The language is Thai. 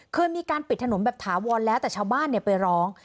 เคยมีการปิดถนนแบบถาวรแล้วแต่ชาวบ้านไปร้อง